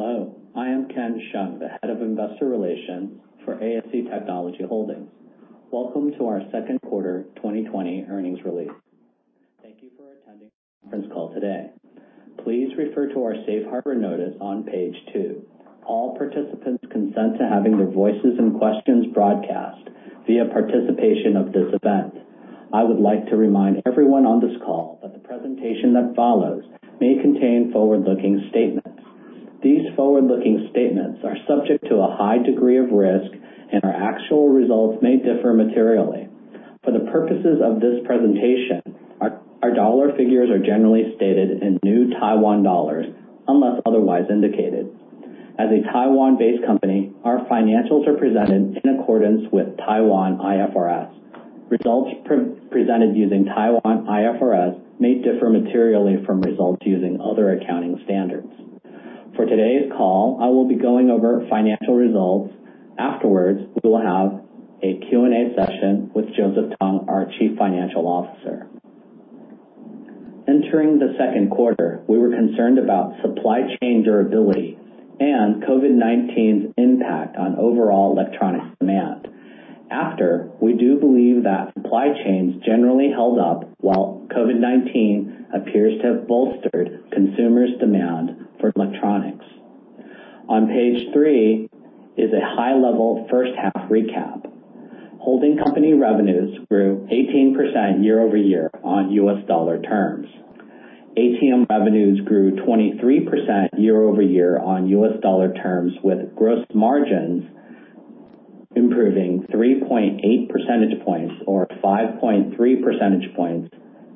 Hello, I am Ken Hsiang, the Head of Investor Relations for ASE Technology Holdings. Welcome to our Second Quarter 2020 Earnings Release. Thank you for attending the conference call today. Please refer to our Safe Harbor notice on page two. All participants consent to having their voices and questions broadcast via participation of this event. I would like to remind everyone on this call that the presentation that follows may contain forward-looking statements. These forward-looking statements are subject to a high degree of risk, and our actual results may differ materially. For the purposes of this presentation, our dollar figures are generally stated in new Taiwan dollars, unless otherwise indicated. As a Taiwan-based company, our financials are presented in accordance with Taiwan IFRS. Results presented using Taiwan IFRS may differ materially from results using other accounting standards. For today's call, I will be going over financial results. Afterwards, we will have a Q&A session with Joseph Tung, our Chief Financial Officer. Entering the second quarter, we were concerned about supply chain durability and COVID-19's impact on overall electronics demand. After, we do believe that supply chains generally held up while COVID-19 appears to have bolstered consumers' demand for electronics. On page three is a high-level first-half recap. Holding company revenues grew 18% year-over-year on US dollar terms. ATM revenues grew 23% year-over-year on US dollar terms, with gross margins improving 3.8 percentage points or 5.3 percentage points,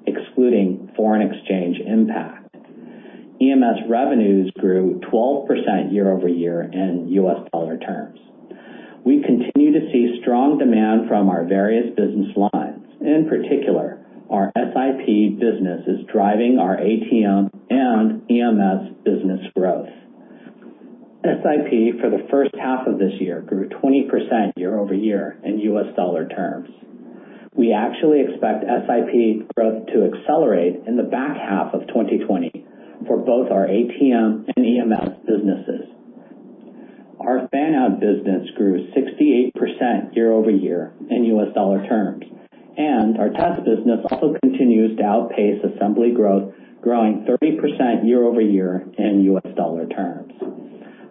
excluding foreign exchange impact. EMS revenues grew 12% year-over-year in US dollar terms. We continue to see strong demand from our various business lines. In particular, our SiPbusiness is driving our ATM and EMS business growth. SiP, for the first half of this year, grew 20% year-over-year in US dollar terms. We actually expect SiP growth to accelerate in the back half of 2020 for both our ATM and EMS businesses. Our fan-out business grew 68% year-over-year in U.S. dollar terms, and our test business also continues to outpace assembly growth, growing 30% year-over-year in U.S. dollar terms.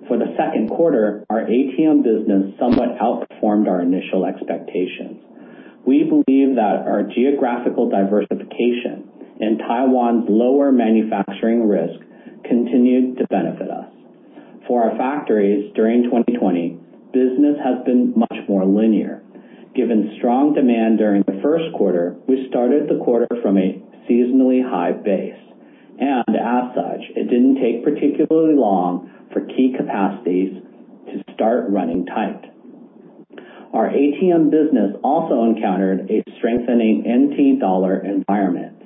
For the second quarter, our ATM business somewhat outperformed our initial expectations. We believe that our geographical diversification and Taiwan's lower manufacturing risk continue to benefit us. For our factories during 2020, business has been much more linear. Given strong demand during the first quarter, we started the quarter from a seasonally high base, and as such, it didn't take particularly long for key capacities to start running tight. Our ATM business also encountered a strengthening N.T. dollar environment.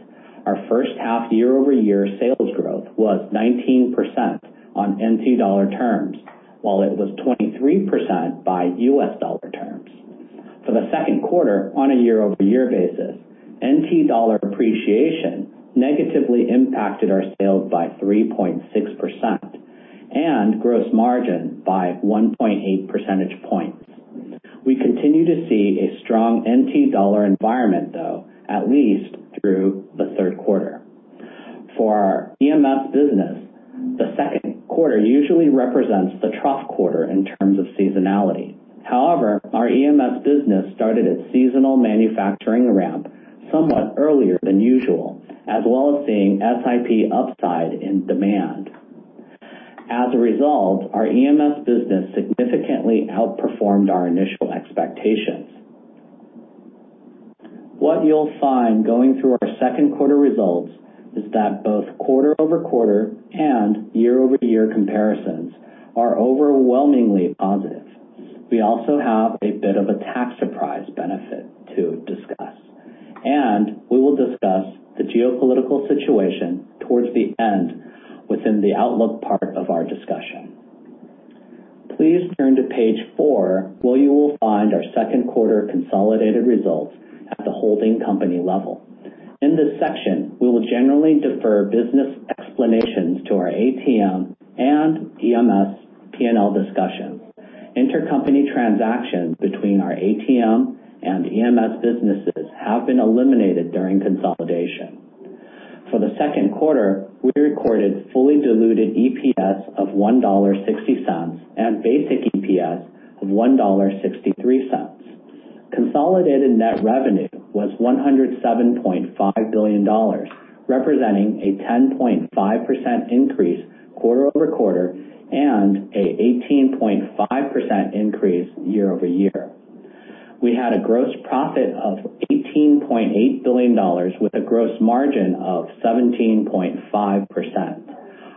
Our first half year-over-year sales growth was 19% on NT dollar terms, while it was 23% by US dollar terms. For the second quarter, on a year-over-year basis, NT dollar appreciation negatively impacted our sales by 3.6% and gross margin by 1.8 percentage points. We continue to see a strong NT dollar environment, though, at least through the third quarter. For our EMS business, the second quarter usually represents the trough quarter in terms of seasonality. However, our EMS business started its seasonal manufacturing ramp somewhat earlier than usual, as well as seeing SiP upside in demand. As a result, our EMS business significantly outperformed our initial expectations. What you'll find going through our second quarter results is that both quarter-over-quarter and year-over-year comparisons are overwhelmingly positive. We also have a bit of a tax surprise benefit to discuss, and we will discuss the geopolitical situation towards the end within the outlook part of our discussion. Please turn to page four, where you will find our second quarter consolidated results at the holding company level. In this section, we will generally defer business explanations to our ATM and EMS P&L discussions. Intercompany transactions between our ATM and EMS businesses have been eliminated during consolidation. For the second quarter, we recorded fully diluted EPS of $1.60 and basic EPS of $1.63. Consolidated net revenue was $107.5 billion, representing a 10.5% increase quarter-over-quarter and a 18.5% increase year-over-year. We had a gross profit of $18.8 billion with a gross margin of 17.5%.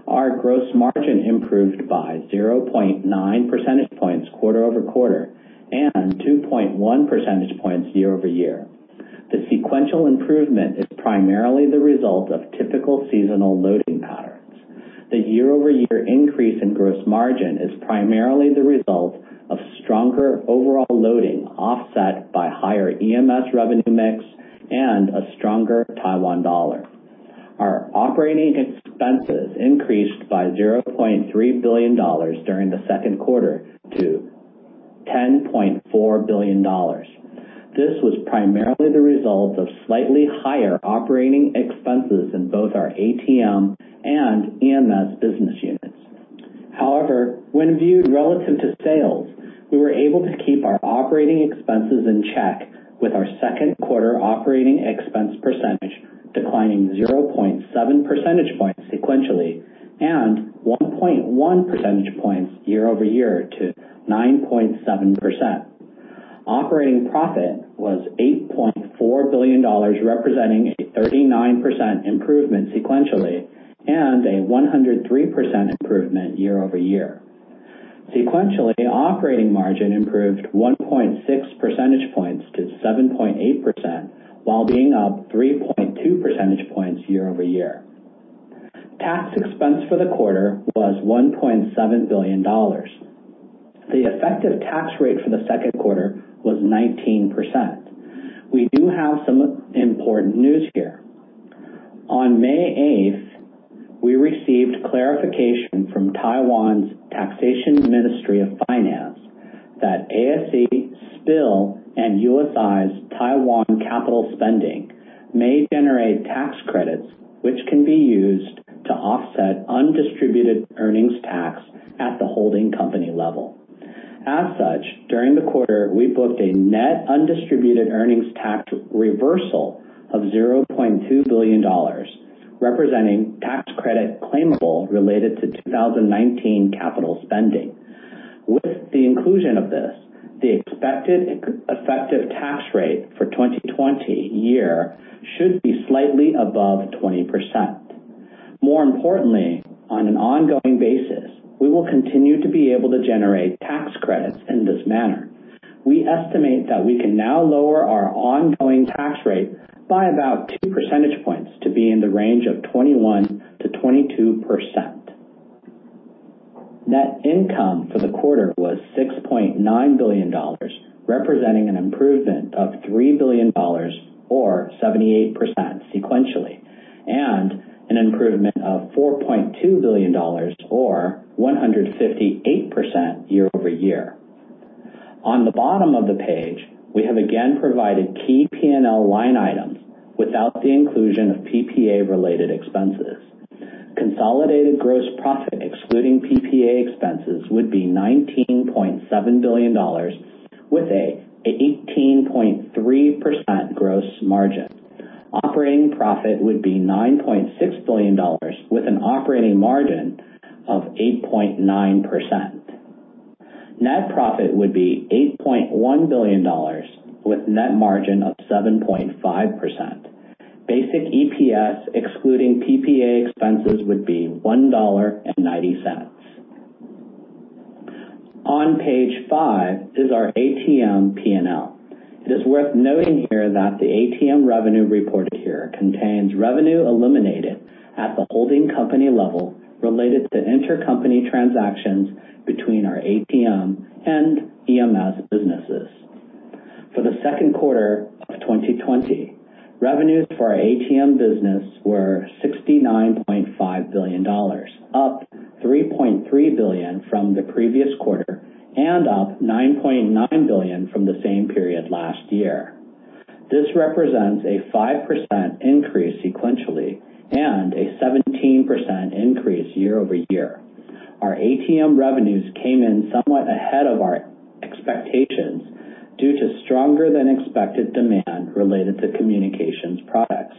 Our gross margin improved by 0.9 percentage points quarter-over-quarter and 2.1 percentage points year-over-year. The sequential improvement is primarily the result of typical seasonal loading patterns. The year-over-year increase in gross margin is primarily the result of stronger overall loading offset by higher EMS revenue mix and a stronger Taiwan dollar. Our operating expenses increased by $0.3 billion during the second quarter to $10.4 billion. This was primarily the result of slightly higher operating expenses in both our ATM and EMS business units. However, when viewed relative to sales, we were able to keep our operating expenses in check with our second quarter operating expense percentage declining 0.7 percentage points sequentially and 1.1 percentage points year-over-year to 9.7%. Operating profit was $8.4 billion, representing a 39% improvement sequentially and a 103% improvement year-over-year. Sequentially, operating margin improved 1.6 percentage points to 7.8% while being up 3.2 percentage points year-over-year. Tax expense for the quarter was $1.7 billion. The effective tax rate for the second quarter was 19%. We do have some important news here. On May 8th, we received clarification from Taiwan's Ministry of Finance that AASE, SPIL and USI's Taiwan capital spending may generate tax credits, which can be used to offset undistributed earnings tax at the holding company level. As such, during the quarter, we booked a net undistributed earnings tax reversal of $0.2 billion, representing tax credit claimable related to 2019 capital spending. With the inclusion of this, the expected effective tax rate for 2020 year should be slightly above 20%. More importantly, on an ongoing basis, we will continue to be able to generate tax credits in this manner. We estimate that we can now lower our ongoing tax rate by about 2 percentage points to be in the range of 21%-22%. Net income for the quarter was 6.9 billion dollars, representing an improvement of 3 billion dollars or 78% sequentially and an improvement of 4.2 billion dollars or 158% year-over-year. On the bottom of the page, we have again provided key P&L line items without the inclusion of PPA-related expenses. Consolidated gross profit excluding PPA expenses would be 19.7 billion dollars with an 18.3% gross margin. Operating profit would be 9.6 billion dollars with an operating margin of 8.9%. Net profit would be 8.1 billion dollars with a net margin of 7.5%. Basic EPS excluding PPA expenses would be 1.90 dollar. On page five is our ATM P&L. It is worth noting here that the ATM revenue reported here contains revenue eliminated at the holding company level related to intercompany transactions between our ATM and EMS businesses. For the second quarter of 2020, revenues for our ATM business were $69.5 billion, up $3.3 billion from the previous quarter and up $9.9 billion from the same period last year. This represents a 5% increase sequentially and a 17% increase year-over-year. Our ATM revenues came in somewhat ahead of our expectations due to stronger-than-expected demand related to communications products.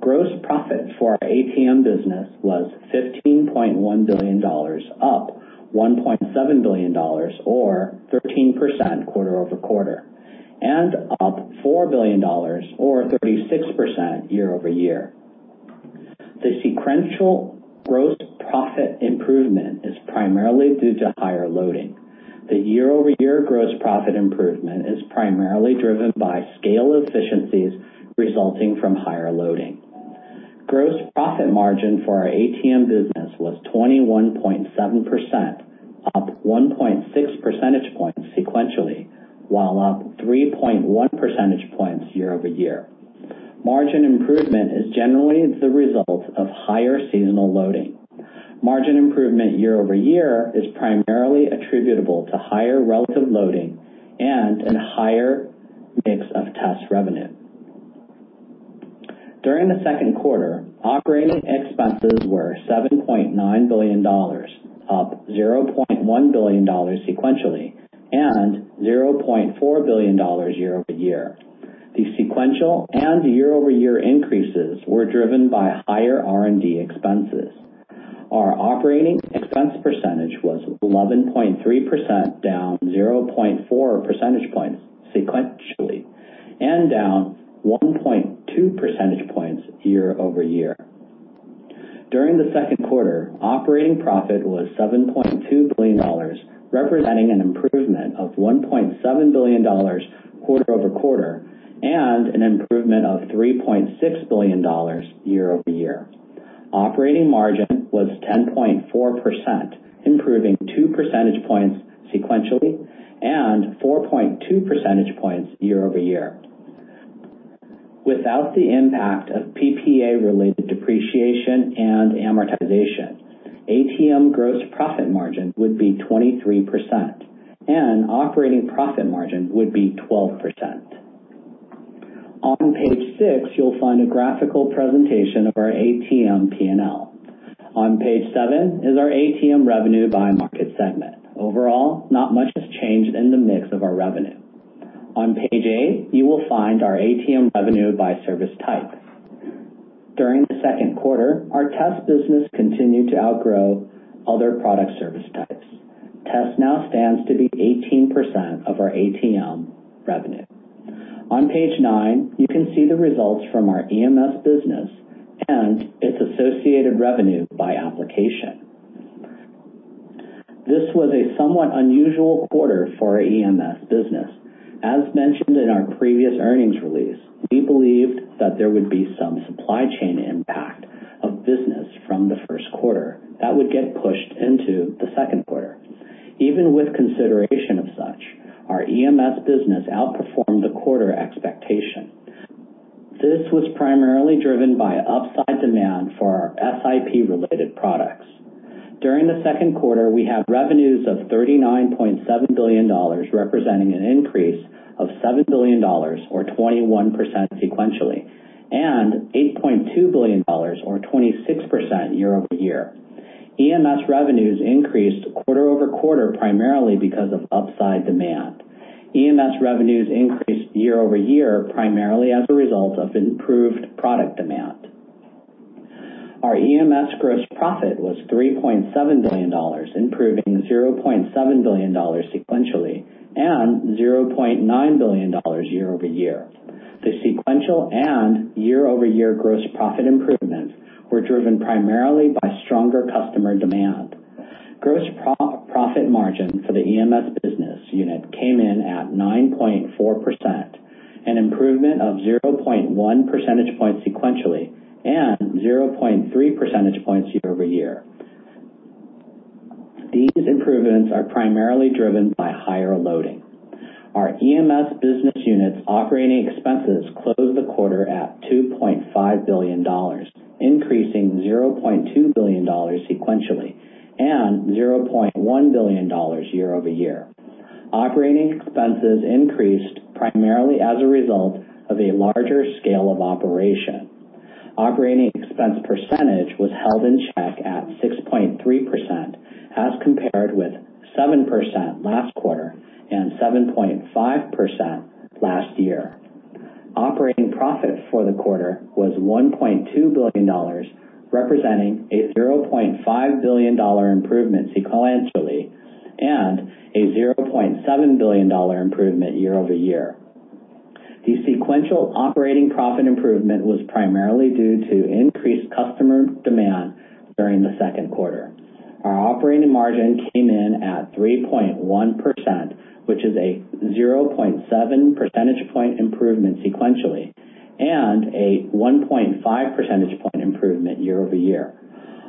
Gross profit for our ATM business was $15.1 billion, up $1.7 billion or 13% quarter-over-quarter, and up $4 billion or 36% year-over-year. The sequential gross profit improvement is primarily due to higher loading. The year-over-year gross profit improvement is primarily driven by scale efficiencies resulting from higher loading. Gross profit margin for our ATM business was 21.7%, up 1.6 percentage points sequentially, while up 3.1 percentage points year-over-year. Margin improvement is generally the result of higher seasonal loading. Margin improvement year over year is primarily attributable to higher relative loading and a higher mix of test revenue. During the second quarter, operating expenses were $7.9 billion, up $0.1 billion sequentially and $0.4 billion year over year. The sequential and year-over-year increases were driven by higher R&D expenses. Our operating expense percentage was 11.3%, down 0.4 percentage points sequentially and down 1.2 percentage points year over year. During the second quarter, operating profit was $7.2 billion, representing an improvement of $1.7 billion quarter over quarter and an improvement of $3.6 billion year over year. Operating margin was 10.4%, improving 2 percentage points sequentially and 4.2 percentage points year over year. Without the impact of PPA-related depreciation and amortization, ATM gross profit margin would be 23%, and operating profit margin would be 12%. On page six, you'll find a graphical presentation of our ATM P&L. On page seven is our ATM revenue by market segment. Overall, not much has changed in the mix of our revenue. On page eight, you will find our ATM revenue by service type. During the second quarter, our test business continued to outgrow other product service types. Test now stands to be 18% of our ATM revenue. On page nine, you can see the results from our EMS business and its associated revenue by application. This was a somewhat unusual quarter for our EMS business. As mentioned in our previous earnings release, we believed that there would be some supply chain impact of business from the first quarter that would get pushed into the second quarter. Even with consideration of such, our EMS business outperformed the quarter expectation. This was primarily driven by upside demand for our SiP-related products. During the second quarter, we had revenues of $39.7 billion, representing an increase of $7 billion or 21% sequentially and $8.2 billion or 26% year-over-year. EMS revenues increased quarter-over-quarter primarily because of upside demand. EMS revenues increased year-over-year primarily as a result of improved product demand. Our EMS gross profit was $3.7 billion, improving $0.7 billion sequentially and $0.9 billion year-over-year. The sequential and year-over-year gross profit improvements were driven primarily by stronger customer demand. Gross profit margin for the EMS business unit came in at 9.4%, an improvement of 0.1 percentage points sequentially and 0.3 percentage points year-over-year. These improvements are primarily driven by higher loading. Our EMS business unit's operating expenses closed the quarter at $2.5 billion, increasing $0.2 billion sequentially and $0.1 billion year-over-year. Operating expenses increased primarily as a result of a larger scale of operation. Operating expense percentage was held in check at 6.3% as compared with 7% last quarter and 7.5% last year. Operating profit for the quarter was $1.2 billion, representing a $0.5 billion improvement sequentially and a $0.7 billion improvement year-over-year. The sequential operating profit improvement was primarily due to increased customer demand during the second quarter. Our operating margin came in at 3.1%, which is a 0.7 percentage point improvement sequentially and a 1.5 percentage point improvement year-over-year.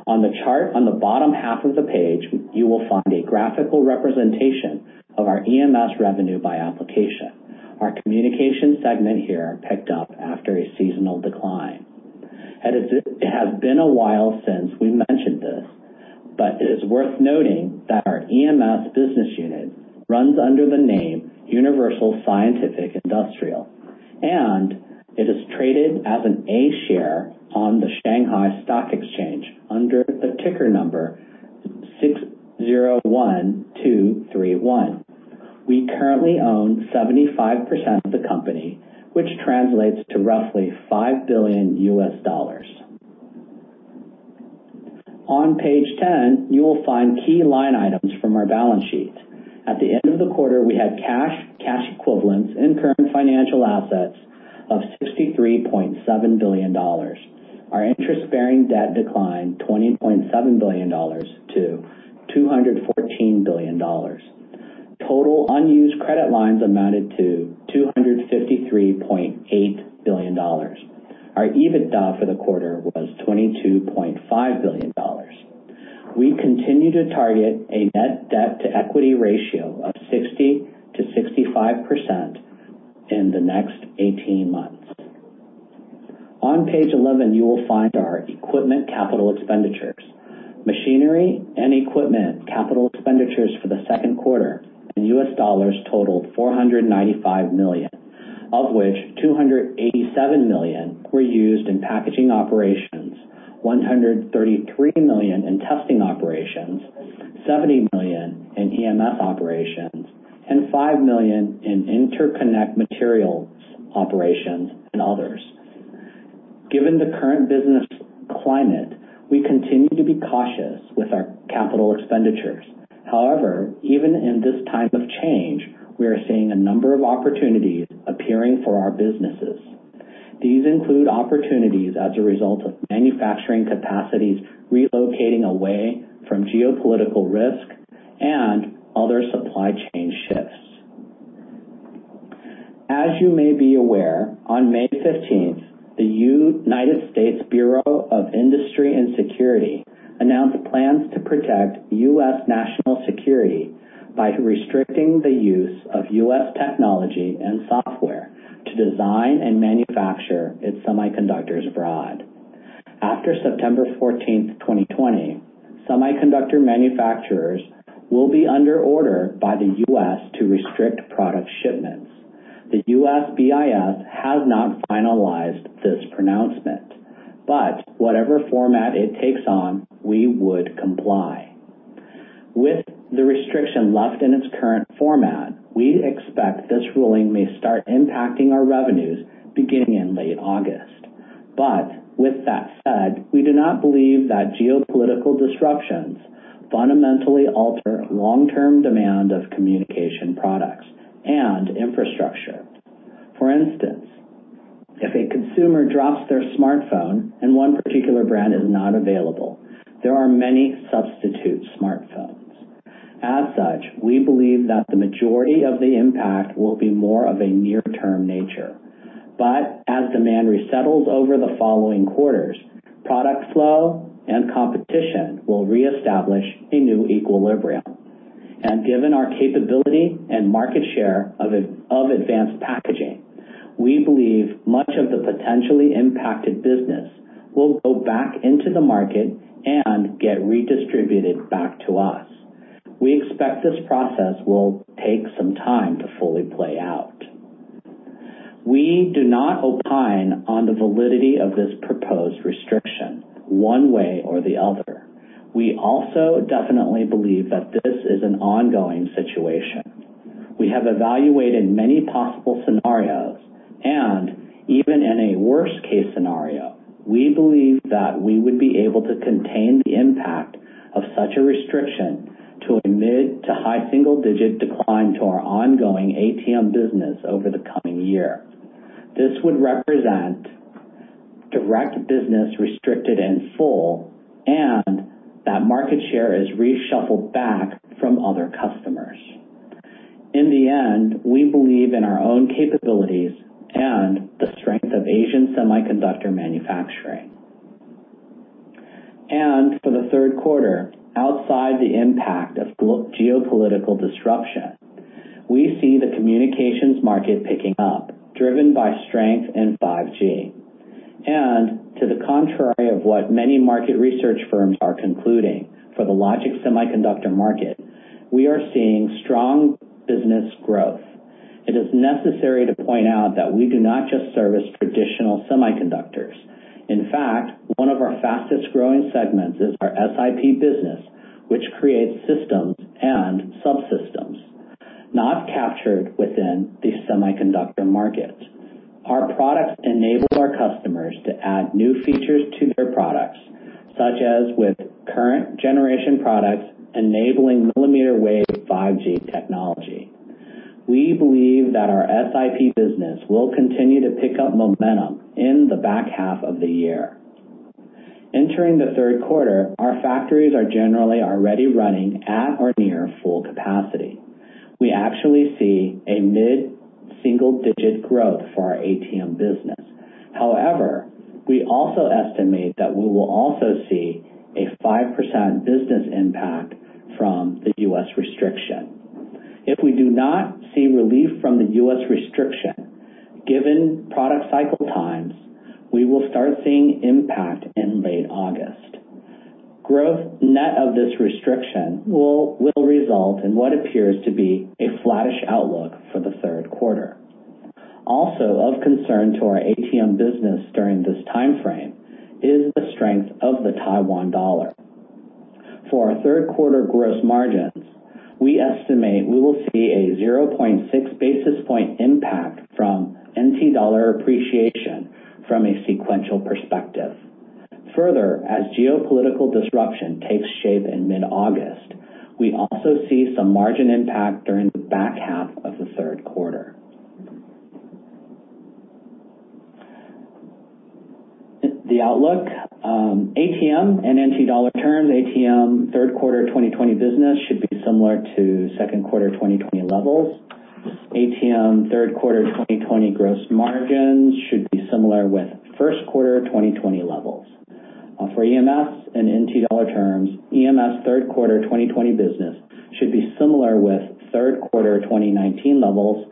On the chart on the bottom half of the page, you will find a graphical representation of our EMS revenue by application. Our communications segment here picked up after a seasonal decline. It has been a while since we mentioned this, but it is worth noting that our EMS business unit runs under the name Universal Scientific Industrial, and it is traded as an A-share on the Shanghai Stock Exchange under the ticker number 601231. We currently own 75% of the company, which translates to roughly $5 billion. On page 10, you will find key line items from our balance sheet. At the end of the quarter, we had cash, cash equivalents, and current financial assets of $63.7 billion. Our interest-bearing debt declined $20.7 billion to $214 billion. Total unused credit lines amounted to $253.8 billion. Our EBITDA for the quarter was $22.5 billion. We continue to target a net debt-to-equity ratio of 60%-65% in the next 18 months. On page 11, you will find our equipment capital expenditures. Machinery and equipment capital expenditures for the second quarter in U.S. dollars totaled $495 million, of which $287 million were used in packaging operations, $133 million in testing operations, $70 million in EMS operations, and $5 million in interconnect materials operations and others. Given the current business climate, we continue to be cautious with our capital expenditures. However, even in this time of change, we are seeing a number of opportunities appearing for our businesses. These include opportunities as a result of manufacturing capacities relocating away from geopolitical risk and other supply chain shifts. As you may be aware, on May 15th, the United States Bureau of Industry and Security announced plans to protect U.S. national security by restricting the use of U.S. technology and software to design and manufacture its semiconductors abroad. After September 14th, 2020, semiconductor manufacturers will be under order by the U.S. to restrict product shipments. The U.S. BIS has not finalized this pronouncement, but whatever format it takes on, we would comply. With the restriction left in its current format, we expect this ruling may start impacting our revenues beginning in late August. But with that said, we do not believe that geopolitical disruptions fundamentally alter long-term demand of communication products and infrastructure. For instance, if a consumer drops their smartphone and one particular brand is not available, there are many substitute smartphones. As such, we believe that the majority of the impact will be more of a near-term nature. But as demand resettles over the following quarters, product flow and competition will reestablish a new equilibrium. And given our capability and market share of advanced packaging, we believe much of the potentially impacted business will go back into the market and get redistributed back to us. We expect this process will take some time to fully play out. We do not opine on the validity of this proposed restriction one way or the other. We also definitely believe that this is an ongoing situation. We have evaluated many possible scenarios, and even in a worst-case scenario, we believe that we would be able to contain the impact of such a restriction to a mid to high single-digit decline to our ongoing ATM business over the coming year. This would represent direct business restricted in full, and that market share is reshuffled back from other customers. In the end, we believe in our own capabilities and the strength of Asian semiconductor manufacturing. For the third quarter, outside the impact of geopolitical disruption, we see the communications market picking up, driven by strength in 5G. To the contrary of what many market research firms are concluding for the logic semiconductor market, we are seeing strong business growth. It is necessary to point out that we do not just service traditional semiconductors. In fact, one of our fastest-growing segments is our SiP business, which creates systems and subsystems not captured within the semiconductor market. Our products enable our customers to add new features to their products, such as with current-generation products enabling millimeter-wave 5G technology. We believe that our SiP business will continue to pick up momentum in the back half of the year. Entering the third quarter, our factories are generally already running at or near full capacity. We actually see a mid single-digit growth for our ATM business. However, we also estimate that we will also see a 5% business impact from the U.S. restriction. If we do not see relief from the US restriction, given product cycle times, we will start seeing impact in late August. Growth net of this restriction will result in what appears to be a flattish outlook for the third quarter. Also, of concern to our ATM business during this time frame is the strength of the Taiwan dollar. For our third quarter gross margins, we estimate we will see a 0.6 basis point impact from NT dollar appreciation from a sequential perspective. Further, as geopolitical disruption takes shape in mid-August, we also see some margin impact during the back half of the third quarter. The outlook, ATM and NT dollar terms, ATM third quarter 2020 business should be similar to second quarter 2020 levels. ATM third quarter 2020 gross margins should be similar with first quarter 2020 levels. For EMS and NT dollar terms, EMS third quarter 2020 business should be similar with third quarter 2019 levels,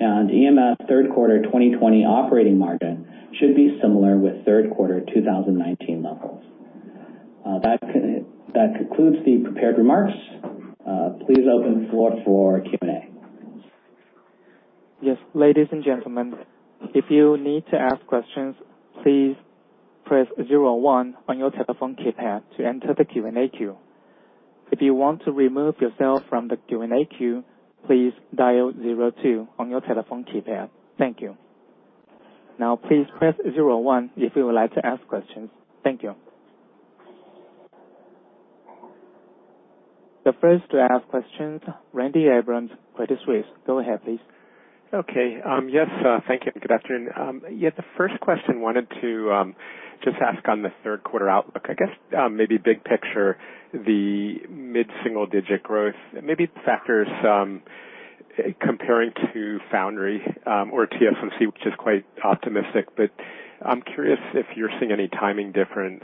and EMS third quarter 2020 operating margin should be similar with third quarter 2019 levels. That concludes the prepared remarks. Please open the floor for Q&A. Yes, ladies and gentlemen, if you need to ask questions, please press zero one on your telephone keypad to enter the Q&A queue. If you want to remove yourself from the Q&A queue, please dial zero two on your telephone keypad. Thank you. Now, please press zero one if you would like to ask questions. Thank you. The first to ask questions, Randy Abrams, Credit Suisse. Go ahead, please. Okay. Yes, thank you. Good afternoon. Yeah, the first question wanted to just ask on the third quarter outlook. I guess maybe big picture, the mid single-digit growth, maybe factors comparing to foundry or TSMC, which is quite optimistic. But I'm curious if you're seeing any timing difference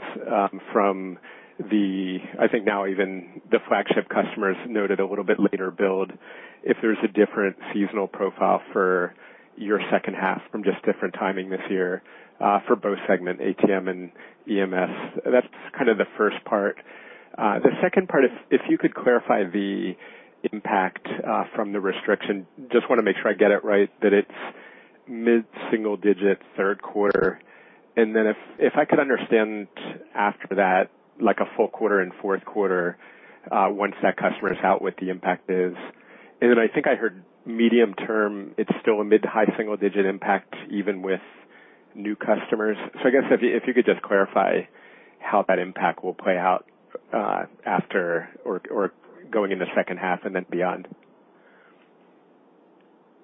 from the, I think now even the flagship customers noted a little bit later build, if there's a different seasonal profile for your second half from just different timing this year for both segment, ATM and EMS. That's kind of the first part. The second part, if you could clarify the impact from the restriction. Just want to make sure I get it right, that it's mid single-digit third quarter. And then if I could understand after that, like a full quarter and fourth quarter, once that customer is out, what the impact is. Then I think I heard medium term, it's still a mid- to high single-digit impact even with new customers. So I guess if you could just clarify how that impact will play out after or going into second half and then beyond.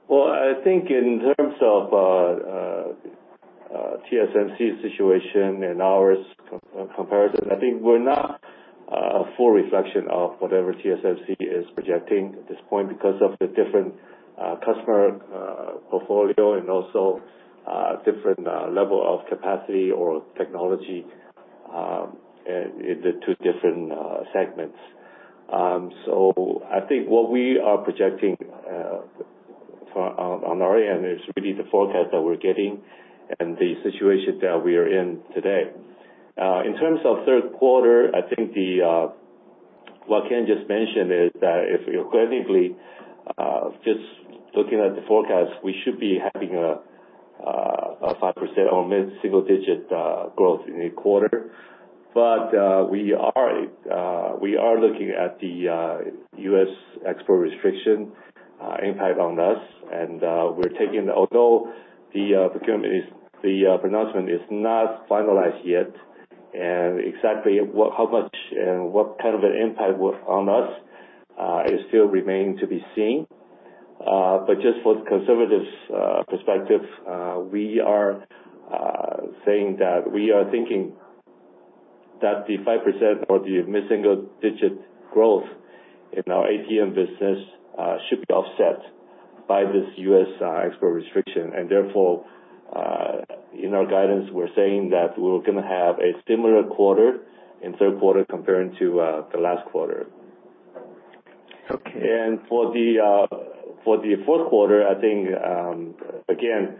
Well, I think in terms of TSMC's situation and our comparison, I think we're not a full reflection of whatever TSMC is projecting at this point because of the different customer portfolio and also different level of capacity or technology in the two different segments. So I think what we are projecting on our end is really the forecast that we're getting and the situation that we are in today. In terms of third quarter, I think what I can just mention is that if you're credibly just looking at the forecast, we should be having a 5% or mid-single-digit growth in the quarter. But we are looking at the U.S. export restriction impact on us, and we're taking the although the pronouncement is not finalized yet and exactly how much and what kind of an impact on us is still remaining to be seen. Just for the conservative perspective, we are saying that we are thinking that the 5% or the mid-single-digit growth in our ATM business should be offset by this U.S. export restriction. Therefore, in our guidance, we're saying that we're going to have a similar quarter in third quarter comparing to the last quarter. For the fourth quarter, I think, again,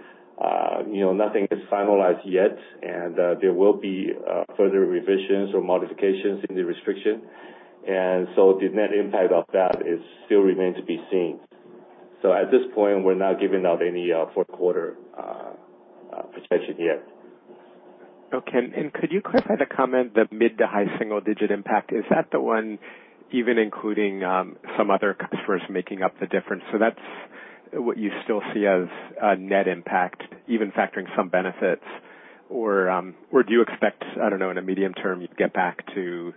nothing is finalized yet, and there will be further revisions or modifications in the restriction. So the net impact of that still remains to be seen. At this point, we're not giving out any fourth quarter projection yet. Okay. Could you clarify the comment, the mid- to high single-digit impact? Is that the one, even including some other customers making up the difference? So that's what you still see as net impact, even factoring some benefits, or do you expect, I don't know, in a medium term, you'd get back to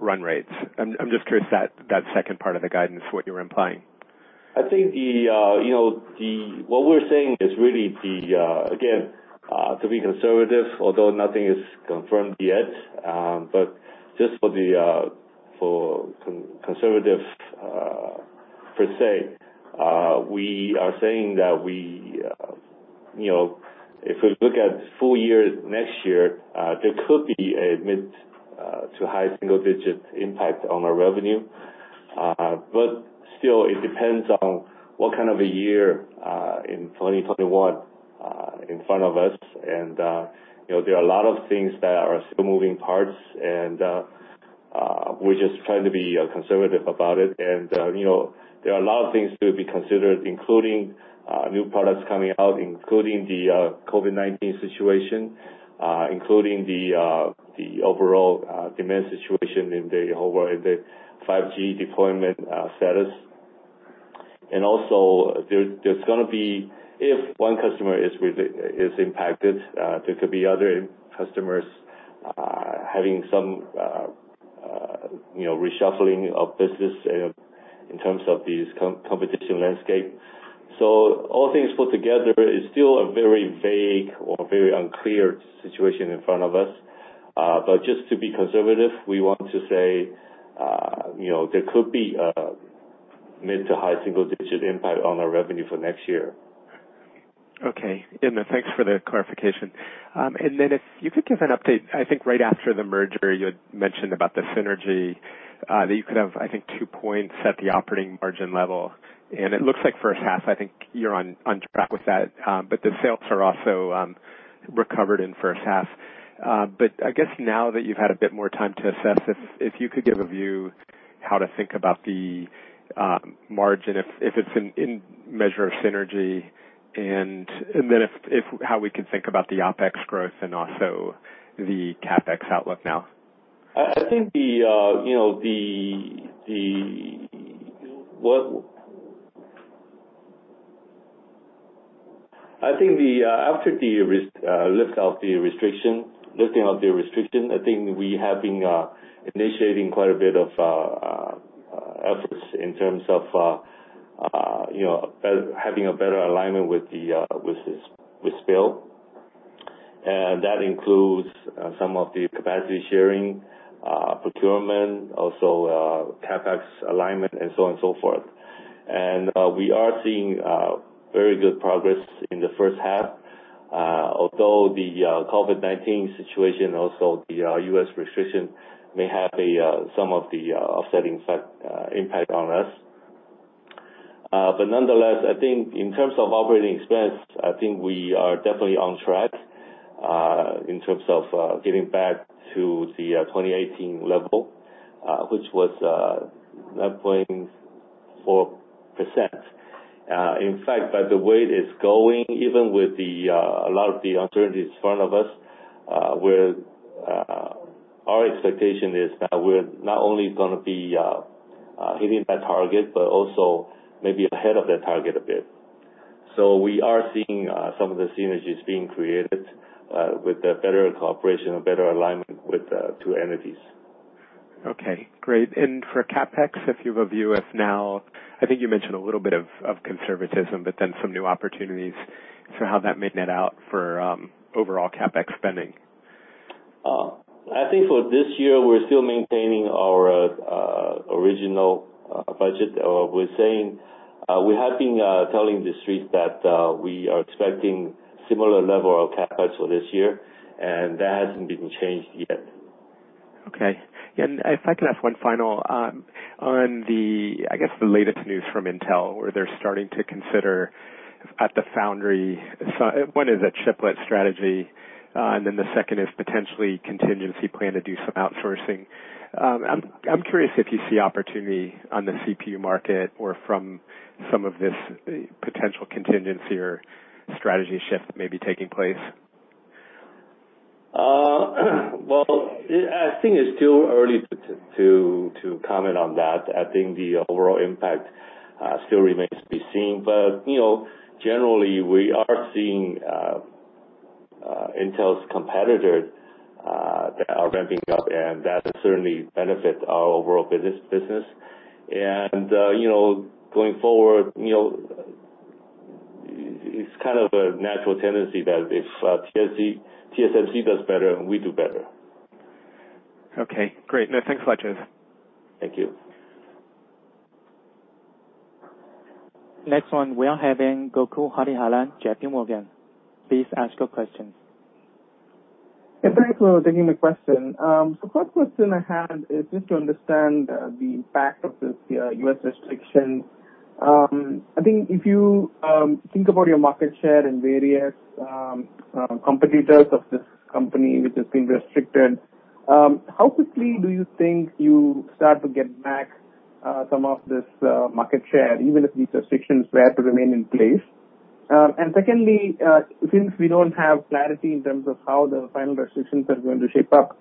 run rates? I'm just curious that second part of the guidance, what you were implying. I think what we're saying is really, again, to be conservative, although nothing is confirmed yet, but just for the conservative per se, we are saying that we if we look at full year next year, there could be a mid- to high single-digit impact on our revenue. But still, it depends on what kind of a year in 2021 in front of us. And there are a lot of things that are still moving parts, and we're just trying to be conservative about it. And there are a lot of things to be considered, including new products coming out, including the COVID-19 situation, including the overall demand situation in the whole world and the 5G deployment status. And also, there's going to be if one customer is impacted, there could be other customers having some reshuffling of business in terms of these competition landscape. So all things put together, it's still a very vague or very unclear situation in front of us. But just to be conservative, we want to say there could be a mid to high single-digit impact on our revenue for next year. Okay. Yeah, no, thanks for the clarification. Then if you could give an update, I think right after the merger, you had mentioned about the synergy that you could have, I think, 2 points at the operating margin level. And it looks like first half, I think you're on track with that. But the sales are also recovered in first half. But I guess now that you've had a bit more time to assess, if you could give a view how to think about the margin, if it's in measure of synergy, and then how we can think about the OPEX growth and also the CAPEX outlook now. I think after lifting off the restriction, I think we have been initiating quite a bit of efforts in terms of having a better alignment with SPIL. And that includes some of the capacity sharing, procurement, also CAPEX alignment, and so on and so forth. And we are seeing very good progress in the first half, although the COVID-19 situation, also the US restriction, may have some of the offsetting impact on us. But nonetheless, I think in terms of operating expense, I think we are definitely on track in terms of getting back to the 2018 level, which was 9.4%. In fact, by the way it's going, even with a lot of the uncertainties in front of us, our expectation is that we're not only going to be hitting that target but also maybe ahead of that target a bit. We are seeing some of the synergies being created with a better cooperation, a better alignment with the two entities. Okay. Great. And for CAPEX, if you have a view of now, I think you mentioned a little bit of conservatism, but then some new opportunities. So how that may net out for overall CAPEX spending? I think for this year, we're still maintaining our original budget. We're saying we have been telling the streets that we are expecting similar level of CapEx for this year, and that hasn't been changed yet. Okay. Yeah, and if I can ask one final on the, I guess, the latest news from Intel, where they're starting to consider at the foundry, one is a chiplet strategy, and then the second is potentially contingency plan to do some outsourcing. I'm curious if you see opportunity on the CPU market or from some of this potential contingency or strategy shift maybe taking place. Well, I think it's still early to comment on that. I think the overall impact still remains to be seen. But generally, we are seeing Intel's competitors that are ramping up, and that certainly benefits our overall business. Going forward, it's kind of a natural tendency that if TSMC does better, we do better. Okay. Great. No, thanks a lot, Joseph. Thank you. Next one, we are having Gokul Hariharan, JPMorgan. Please ask your questions. Yeah, thanks. Well, thank you for the question. So the first question I had is just to understand the impact of this U.S. restriction. I think if you think about your market share and various competitors of this company, which has been restricted, how quickly do you think you start to get back some of this market share, even if these restrictions were to remain in place? And secondly, since we don't have clarity in terms of how the final restrictions are going to shape up,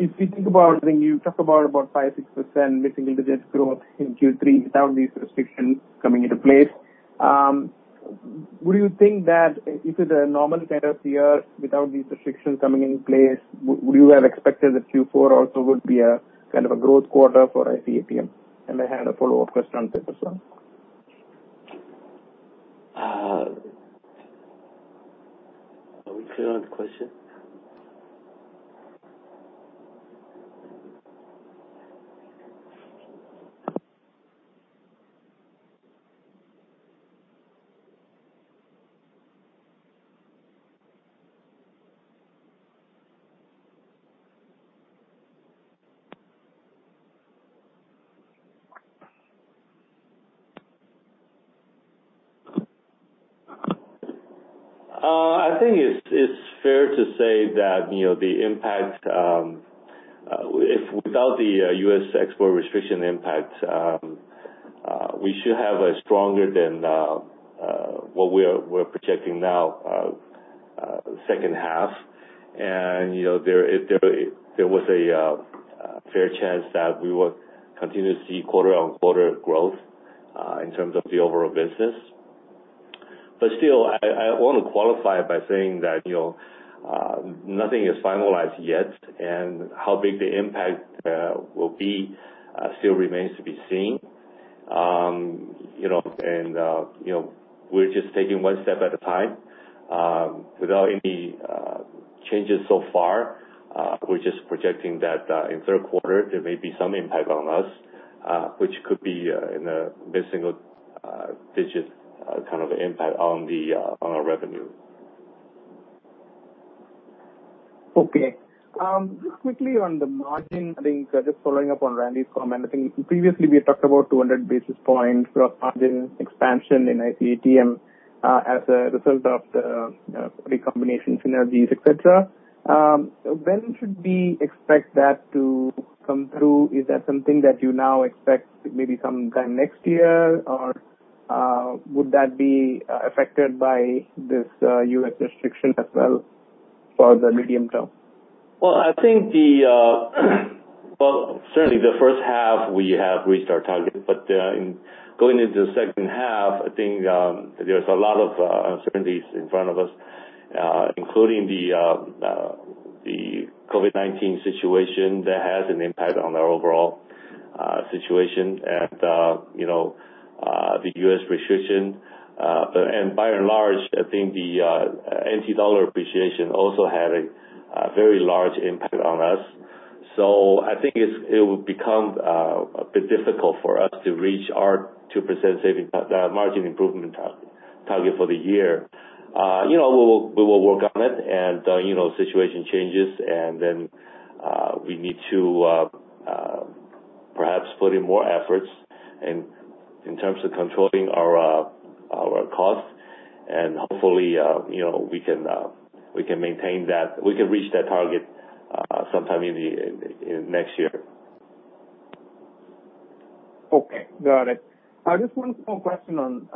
if we think about, I think you talked about 5%-6% mid single-digit growth in Q3 without these restrictions coming into place. Would you think that if it's a normal kind of year without these restrictions coming into place, would you have expected that Q4 also would be kind of a growth quarter for IC ATM? I had a follow-up question on this as well. Are we clear on the question? I think it's fair to say that, without the US export restriction impact, we should have a stronger [second half] than what we're projecting now second half. And there was a fair chance that we would continue to see quarter-on-quarter growth in terms of the overall business. But still, I want to qualify by saying that nothing is finalized yet, and how big the impact will be still remains to be seen. And we're just taking one step at a time. Without any changes so far, we're just projecting that in third quarter, there may be some impact on us, which could be a mid-single-digit kind of impact on our revenue. Okay. Just quickly on the margin, I think just following up on Randy's comment, I think previously, we had talked about 200 basis points for margin expansion in IC ATM as a result of the recombination synergies, etc. When should we expect that to come through? Is that something that you now expect maybe sometime next year, or would that be affected by this US restriction as well for the medium term? Well, I think, well, certainly, the first half, we have reached our target. But going into the second half, I think there's a lot of uncertainties in front of us, including the COVID-19 situation that has an impact on our overall situation and the U.S. restriction. And by and large, I think the NT dollar appreciation also had a very large impact on us. So I think it will become a bit difficult for us to reach our 2% margin improvement target for the year. We will work on it, and situation changes, and then we need to perhaps put in more efforts in terms of controlling our costs. And hopefully, we can maintain that we can reach that target sometime in next year. Okay. Got it. I just one small question on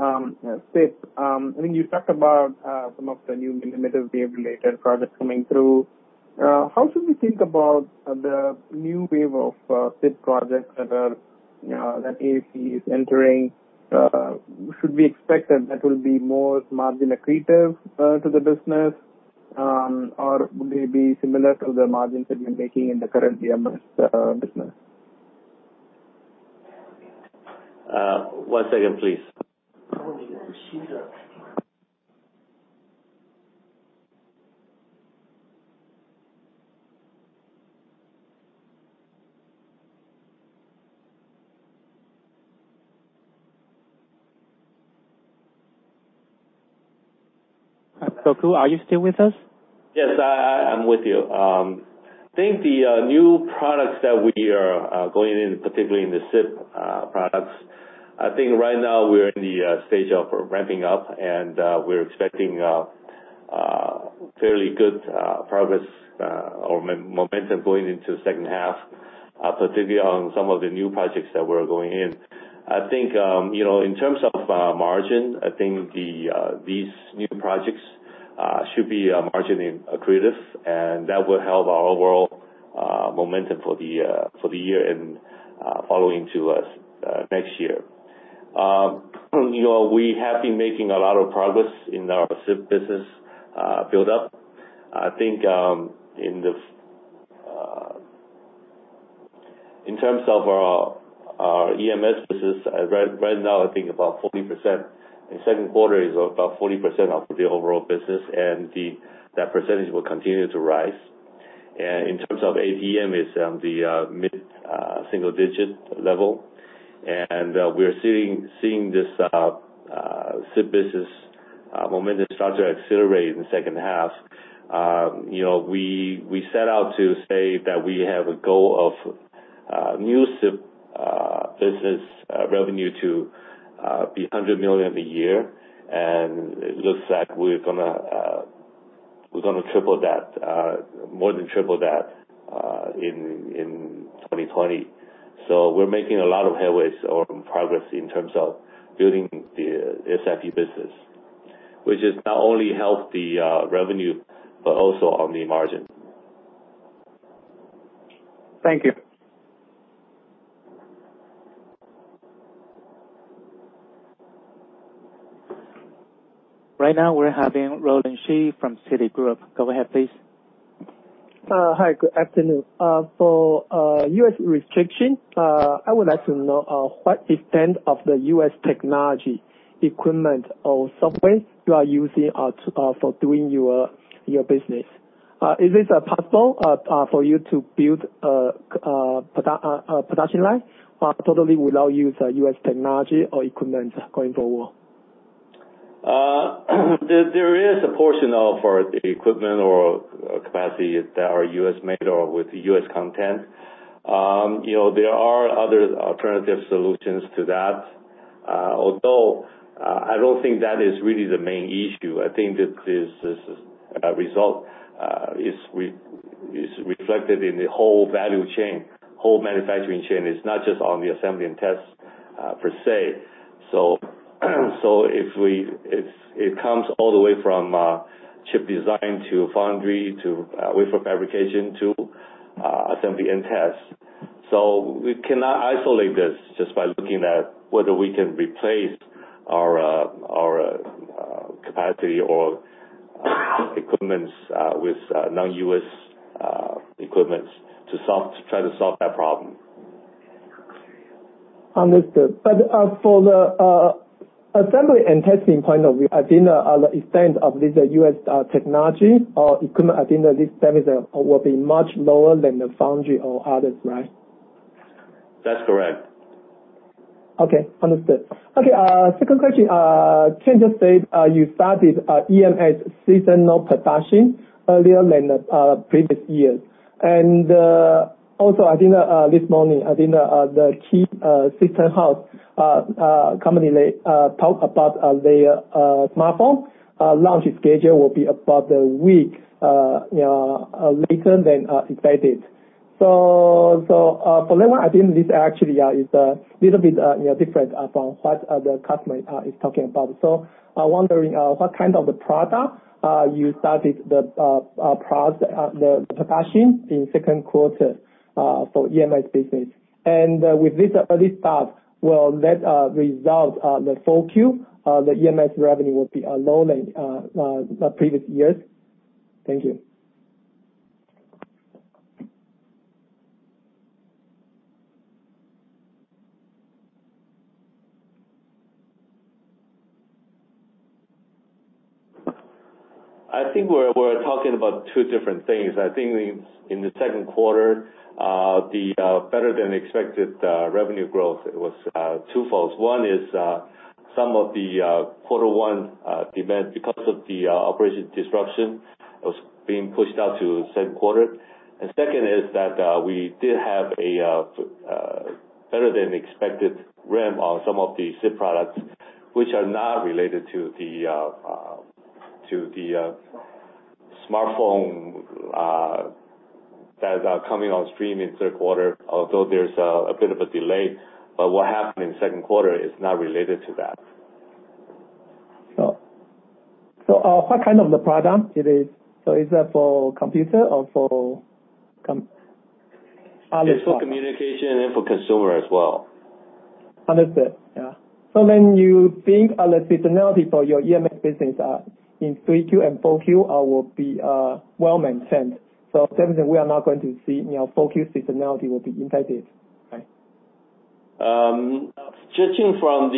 SiP. I mean, you talked about some of the new millimeter-wave-related projects coming through. How should we think about the new wave of SiP projects that ASE is entering? Should we expect that that will be more margin accretive to the business, or would they be similar to the margins that you're making in the current EMS business? One second, please. Gokul, are you still with us? Yes, I'm with you. I think the new products that we are going in, particularly in the SiP products, I think right now, we're in the stage of ramping up, and we're expecting fairly good progress or momentum going into the second half, particularly on some of the new projects that we're going in. I think in terms of margin, I think these new projects should be margin accretive, and that will help our overall momentum for the year and following to next year. We have been making a lot of progress in our SiP business buildup. I think in terms of our EMS business, right now, I think about 40%. In second quarter, it's about 40% of the overall business, and that percentage will continue to rise. And in terms of ATM, it's on the mid single-digit level. We're seeing this SiP business momentum start to accelerate in the second half. We set out to say that we have a goal of new SiP business revenue to be $100 million a year, and it looks like we're going to triple that, more than triple that in 2020. We're making a lot of headways or progress in terms of building the SiP business, which is not only help the revenue but also on the margin. Thank you. Right now, we're having Roland Shu from Citigroup. Go ahead, please. Hi. Good afternoon. For U.S. restriction, I would like to know what extent of the U.S. technology, equipment, or software you are using for doing your business. Is it possible for you to build a production line totally without using U.S. technology or equipment going forward? There is a portion of our equipment or capacity that are U.S.-made or with U.S. content. There are other alternative solutions to that, although I don't think that is really the main issue. I think this result is reflected in the whole value chain, whole manufacturing chain. It's not just on the assembly and test per se. So it comes all the way from chip design to foundry to wafer fabrication to assembly and test. So we cannot isolate this just by looking at whether we can replace our capacity or equipments with non-U.S. equipments to try to solve that problem. Understood. But for the assembly and testing point of view, I think the extent of this U.S. technology or equipment, I think that this service will be much lower than the foundry or others, right? That's correct. Okay. Understood. Okay. Second question. Can you just say you started EMS seasonal production earlier than previous years? And also, I think this morning, I think the key system house company talked about their smartphone launch schedule will be about a week later than expected. So for that one, I think this actually is a little bit different from what the customer is talking about. So I'm wondering what kind of product you started the production in second quarter for EMS business. And with this early start, will that result the full queue, the EMS revenue will be lower than previous years? Thank you. I think we're talking about two different things. I think in the second quarter, the better-than-expected revenue growth, it was twofold. One is some of the quarter one demand because of the operation disruption, it was being pushed out to second quarter. And second is that we did have a better-than-expected ramp on some of the SiP products, which are not related to the smartphone that are coming on stream in third quarter, although there's a bit of a delay. But what happened in second quarter is not related to that. So what kind of the product it is? So is that for computer or for other? It's for communication and for consumer as well. Understood. Yeah. So then you think other seasonality for your EMS business in three-queue and four-queue will be well maintained. So definitely, we are not going to see four-queue seasonality will be impacted, right? Judging from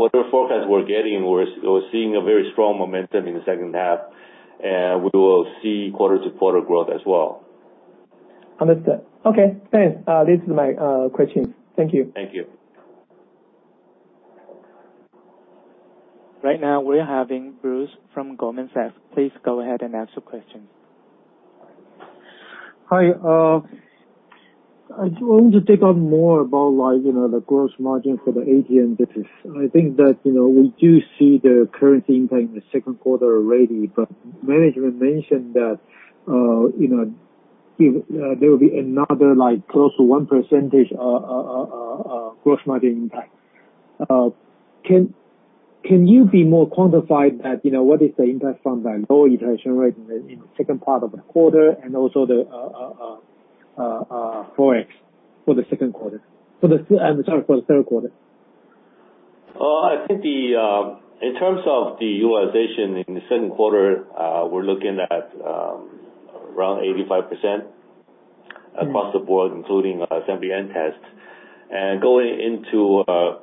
whatever forecast we're getting, we're seeing a very strong momentum in the second half, and we will see quarter-to-quarter growth as well. Understood. Okay. Thanks. These are my questions. Thank you. Thank you. Right now, we are having Bruce from Goldman Sachs. Please go ahead and ask your questions. Hi. I wanted to take on more about the gross margin for the ATM business. I think that we do see the currency impact in the second quarter already, but management mentioned that there will be another close to 1% gross margin impact. Can you be more quantified that what is the impact from that lower inflation rate in the second part of the quarter and also the Forex for the second quarter? I'm sorry, for the third quarter. I think in terms of the utilization in the second quarter, we're looking at around 85% across the board, including assembly and test. Going into third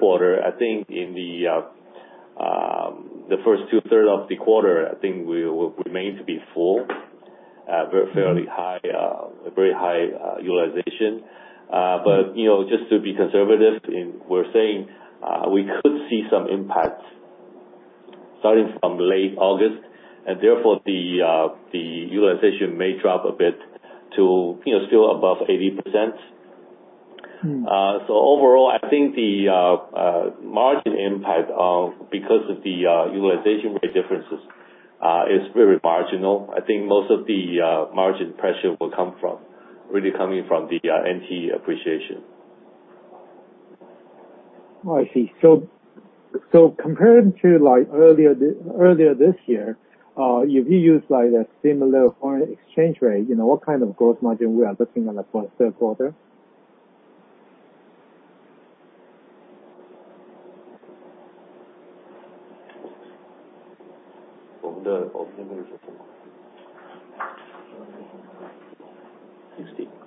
quarter, I think in the first two-thirds of the quarter, I think we will remain to be full, fairly high, a very high utilization. But just to be conservative, we're saying we could see some impact starting from late August, and therefore, the utilization may drop a bit to still above 80%. So overall, I think the margin impact because of the utilization rate differences is very marginal. I think most of the margin pressure will really come from the NTD appreciation. Oh, I see. So compared to earlier this year, if you use a similar foreign exchange rate, what kind of gross margin we are looking at for third quarter?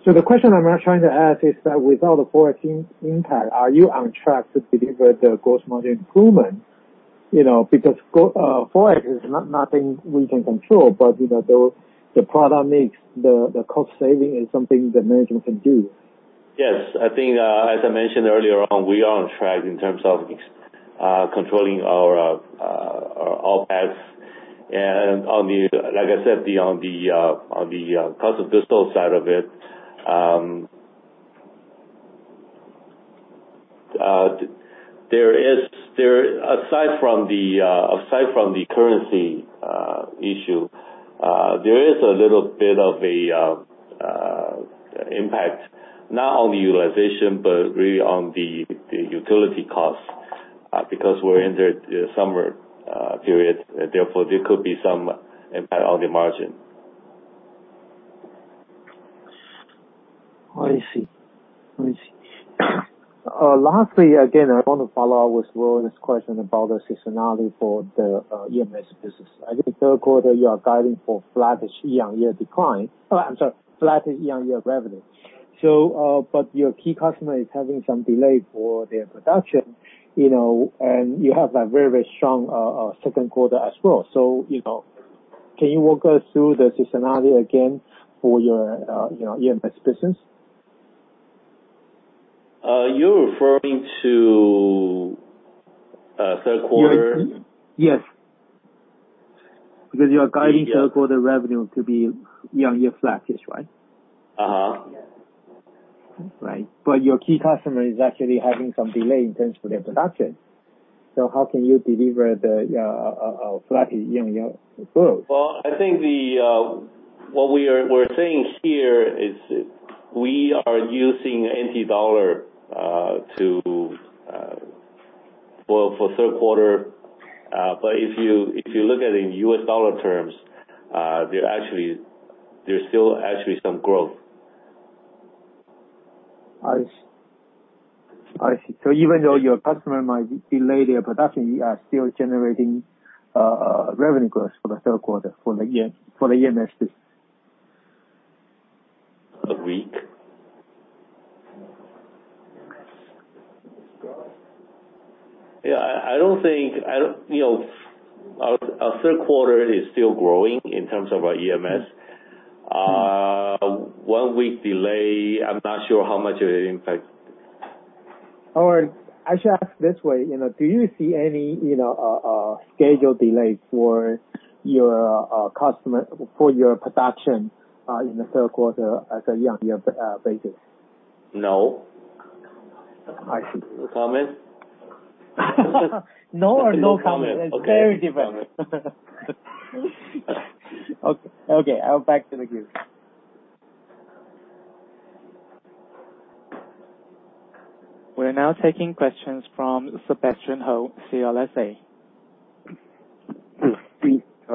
So the question I'm trying to ask is that without the Forex impact, are you on track to deliver the gross margin improvement? Because Forex is not something we can control, but the product mix, the cost saving is something the management can do. Yes. I think, as I mentioned earlier on, we are on track in terms of controlling our OPEX. And like I said, on the cost of goods sold side of it, aside from the currency issue, there is a little bit of an impact not on the utilization but really on the utility costs because we're in the summer period. Therefore, there could be some impact on the margin. Oh, I see. I see. Lastly, again, I want to follow up with Roland's question about the seasonality for the EMS business. I think third quarter, you are guiding for flatish year-on-year decline. I'm sorry, flatish year-on-year revenue. But your key customer is having some delay for their production, and you have very, very strong second quarter as well. So can you walk us through the seasonality again for your EMS business? You're referring to third quarter? Yes. Because you are guiding third quarter revenue to be year-on-year flatish, right? Yes. Right. But your key customer is actually having some delay in terms of their production. So how can you deliver the flatish year-over-year growth? Well, I think what we're saying here is we are using NT dollar for third quarter. But if you look at it in US dollar terms, there's still actually some growth. I see. I see. So even though your customer might delay their production, you are still generating revenue growth for the third quarter, for the EMS business? A week? Yeah. I don't think our third quarter is still growing in terms of our EMS. One-week delay, I'm not sure how much it will impact. I should ask this way. Do you see any schedule delay for your customer for your production in the third quarter as a year-on-year basis? No. I see. No comment? No, or no comment. It's very different. Okay. Okay. I'll back to the queue. We are now taking questions from Sebastian Hou, CLSA.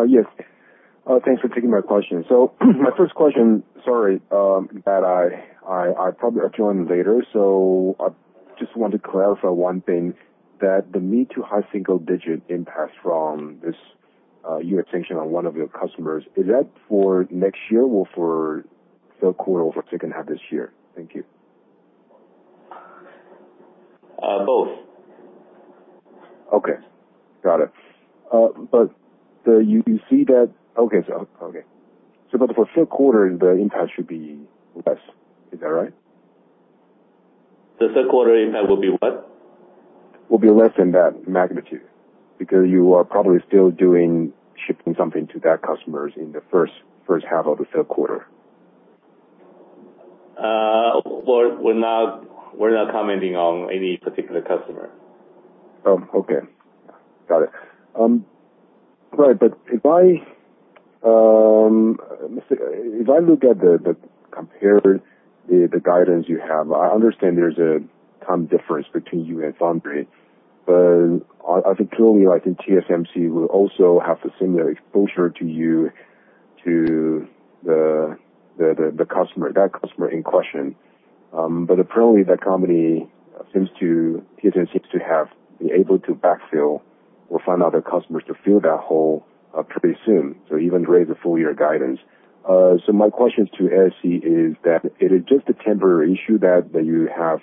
Yes. Thanks for taking my question. So my first question, sorry, that I probably will join later. So I just want to clarify one thing, that the mid- to high-single-digit impact from this year's extension on one of your customers, is that for next year or for third quarter over second half this year? Thank you. Both. Okay. Got it. But you see that, okay. Okay. So but for third quarter, the impact should be less. Is that right? The third quarter impact will be what? Will be less than that magnitude because you are probably still shipping something to that customer in the first half of the third quarter. We're not commenting on any particular customer. Oh, okay. Got it. Right. But if I look at the guidance you have, I understand there's a time difference between you and foundry, but I think clearly, I think TSMC will also have a similar exposure to you to the customer, that customer in question. But apparently, that company, TSMC, seems to be able to backfill or find other customers to fill that hole pretty soon, so even raise a full-year guidance. So my question to ASE is that it is just a temporary issue that you have,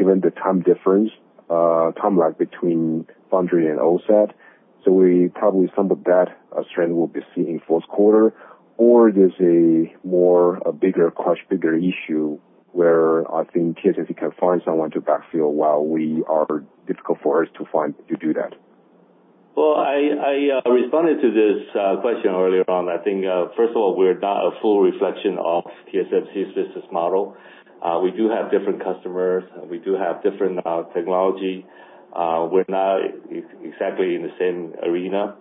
given the time difference, time lag between foundry and OSAT. So probably some of that strength will be seen in fourth quarter, or there's a bigger crush, bigger issue where I think TSMC can find someone to backfill while it's difficult for us to do that. Well, I responded to this question earlier on. I think, first of all, we're not a full reflection of TSMC's business model. We do have different customers. We do have different technology. We're not exactly in the same arena.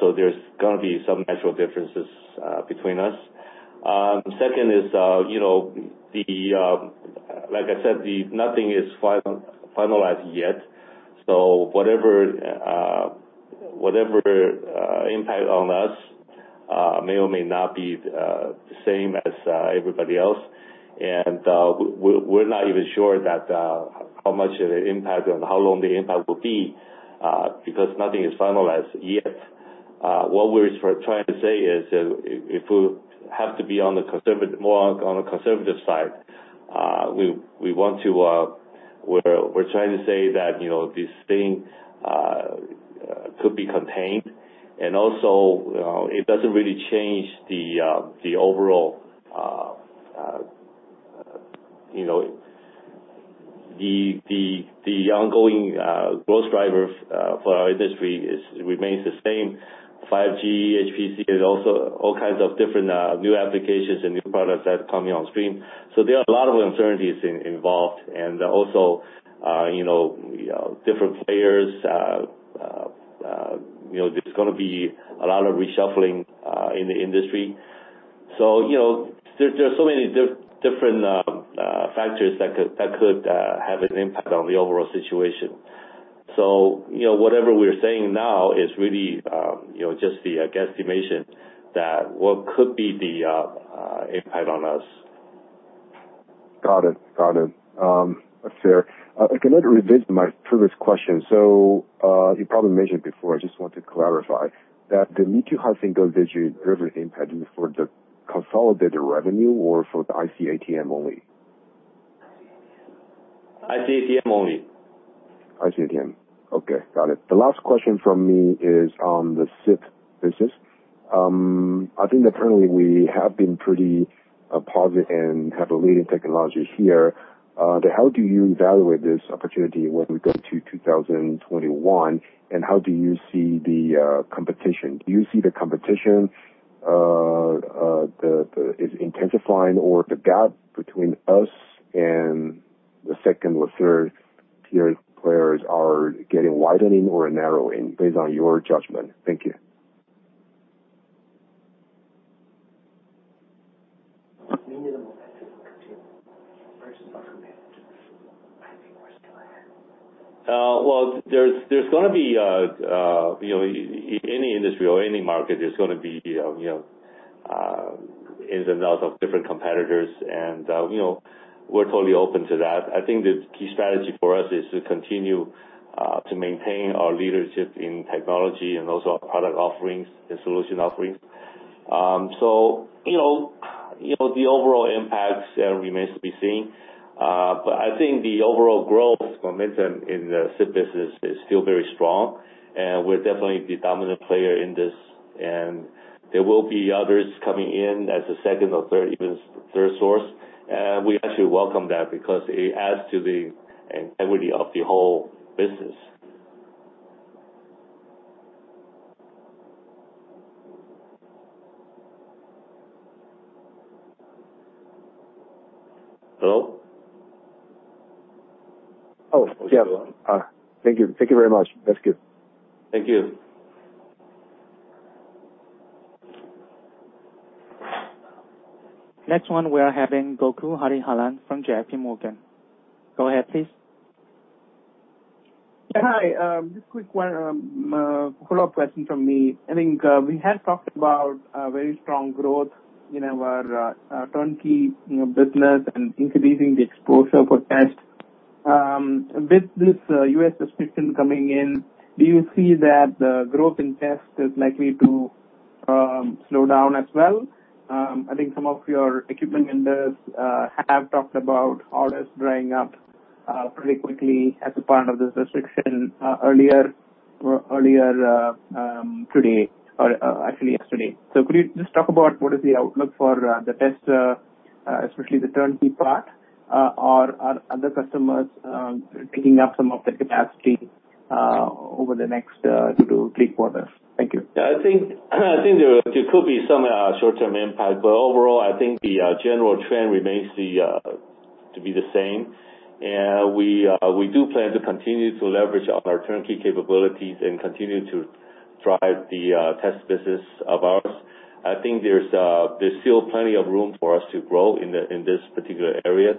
So there's going to be some natural differences between us. Second is, like I said, nothing is finalized yet. So whatever impact on us may or may not be the same as everybody else. And we're not even sure how much of an impact and how long the impact will be because nothing is finalized yet. What we're trying to say is if we have to be on the more on the conservative side, we're trying to say that this thing could be contained. And also, it doesn't really change the overall ongoing growth driver for our industry remains the same, 5G, HPC. There's also all kinds of different new applications and new products that are coming on stream. So there are a lot of uncertainties involved and also different players. There's going to be a lot of reshuffling in the industry. So there's so many different factors that could have an impact on the overall situation. So whatever we're saying now is really just a guesstimation that what could be the impact on us. Got it. Got it. Let's see here. Can I revisit my previous question? So you probably mentioned before, I just want to clarify, that the mid to high single-digit driver's impact is for the consolidated revenue or for the IC ATM only? IC ATM only. ATM. Okay. Got it. The last question from me is on the SiP business. I think that currently, we have been pretty positive and have a leading technology here. How do you evaluate this opportunity when we go to 2021, and how do you see the competition? Do you see the competition is intensifying, or the gap between us and the second or third-tier players are getting widening or narrowing based on your judgment? Thank you. Well, there's going to be any industry or any market, there's going to be ins and outs of different competitors, and we're totally open to that. I think the key strategy for us is to continue to maintain our leadership in technology and also our product offerings and solution offerings. So the overall impact remains to be seen. But I think the overall growth momentum in the SiP business is still very strong, and we're definitely the dominant player in this. And there will be others coming in as a second or third source. And we actually welcome that because it adds to the integrity of the whole business. Hello? Oh, I'm still on. Yeah. Thank you. Thank you very much. That's good. Thank you. Next one, we are having Gokul Hariharan from JPMorgan. Go ahead, please. Yeah. Hi. Just a quick follow-up question from me. I think we had talked about very strong growth in our turnkey business and increasing the exposure for tests. With this U.S. restriction coming in, do you see that the growth in tests is likely to slow down as well? I think some of your equipment vendors have talked about orders drying up pretty quickly as a part of this restriction earlier today or actually yesterday. So could you just talk about what is the outlook for the tester, especially the turnkey part? Are other customers picking up some of the capacity over the next two-three quarters? Thank you. Yeah. I think there could be some short-term impact, but overall, I think the general trend remains to be the same. And we do plan to continue to leverage on our turnkey capabilities and continue to drive the test business of ours. I think there's still plenty of room for us to grow in this particular area.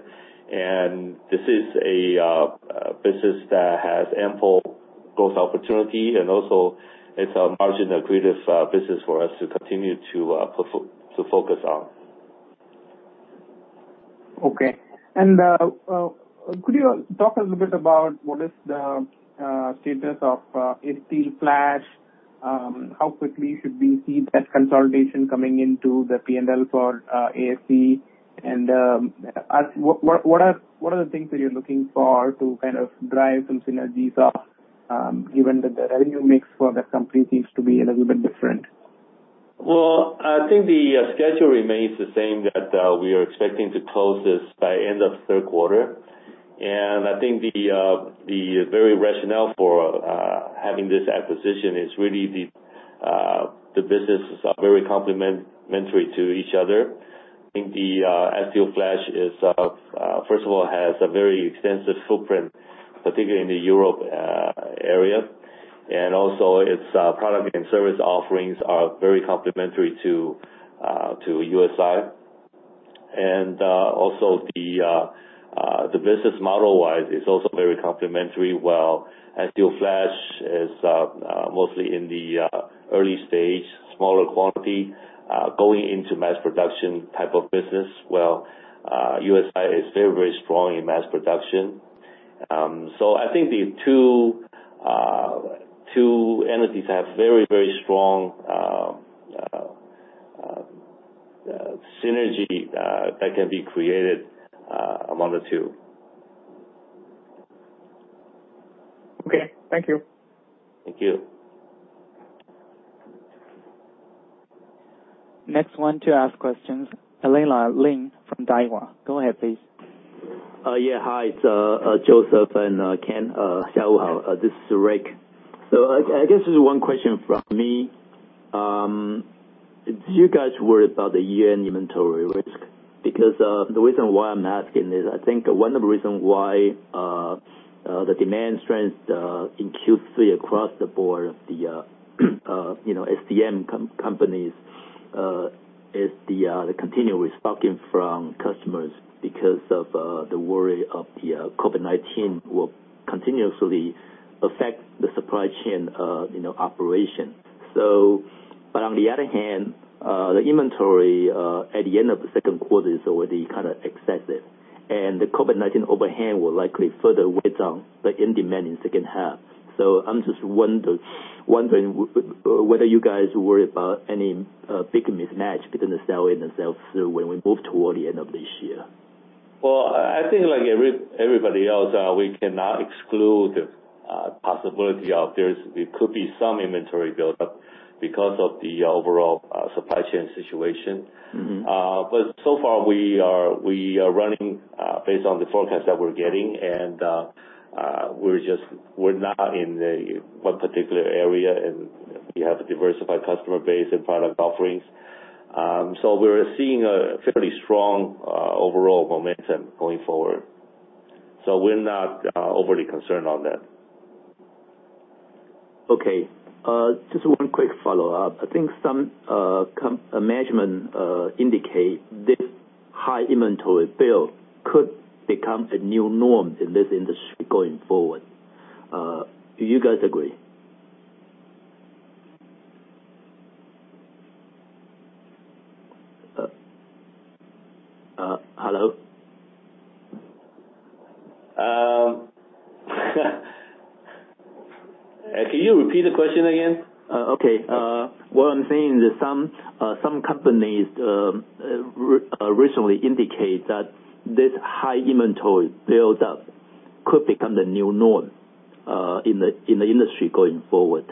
And this is a business that has ample growth opportunity, and also, it's a margin-accretive business for us to continue to focus on. Okay. Could you talk a little bit about what is the status of Asteelflash? How quickly should we see that consolidation coming into the P&L for ASE? And what are the things that you're looking for to kind of drive some synergies off given that the revenue mix for that company seems to be a little bit different? Well, I think the schedule remains the same, that we are expecting to close this by end of third quarter. And I think the very rationale for having this acquisition is really the businesses are very complementary to each other. I think the Asteelflash, first of all, has a very extensive footprint, particularly in the Europe area. And also, its product and service offerings are very complementary to USI. And also, the business model-wise, is also very complementary. While Asteelflash is mostly in the early stage, smaller quantity, going into mass production type of business, while USI is very, very strong in mass production. So I think the two entities have very, very strong synergy that can be created among the two. Okay. Thank you. Thank you. Next one to ask questions, Rick from Daiwa. Go ahead, please. Yeah. Hi. It's Joseph and Ken Hsiang. This is Rick. So I guess just one question from me. Do you guys worry about the year-end inventory risk? Because the reason why I'm asking is I think one of the reasons why the demand strength in Q3 across the board of the IDM companies is the continuous stocking from customers because of the worry of the COVID-19 will continuously affect the supply chain operation. But on the other hand, the inventory at the end of the second quarter is already kind of excessive. And the COVID-19 overhang will likely further weigh down the demand in second half. So I'm just wondering whether you guys worry about any big mismatch between the sell-in and sell-through when we move toward the end of this year. Well, I think like everybody else, we cannot exclude the possibility of there could be some inventory buildup because of the overall supply chain situation. But so far, we are running based on the forecast that we're getting. And we're not in one particular area, and we have a diversified customer base and product offerings. So we're seeing a fairly strong overall momentum going forward. So we're not overly concerned on that. Okay. Just one quick follow-up. I think some management indicate this high inventory build could become a new norm in this industry going forward. Do you guys agree? Hello? Can you repeat the question again? Okay. What I'm saying is some companies recently indicate that this high inventory buildup could become the new norm in the industry going forward.